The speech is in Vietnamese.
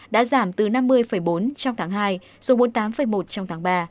đã giảm từ năm mươi bốn trong tháng hai xuống bốn mươi tám một trong tháng ba